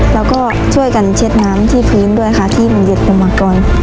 แล้วก็ช่วยกันเช็ดน้ำที่พื้นด้วยค่ะที่หนูเหย็บลงมาก่อน